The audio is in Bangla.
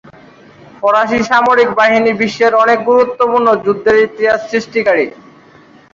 ফরাসী সামরিক বাহিনী বিশ্বের অনেক গুরুত্বপূর্ণ যুদ্ধের ইতিহাস সৃষ্টিকারী।